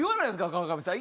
川上さん。